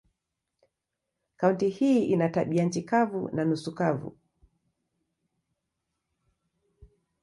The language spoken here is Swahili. Kaunti hii ina tabianchi kavu na nusu kavu.